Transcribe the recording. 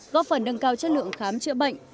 góp phần nâng cao chất lượng khám chữa bệnh